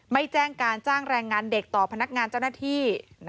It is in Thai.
ไม่แจ้งการจ้างแรงงานเด็กต่อพนักงานเจ้าหน้าที่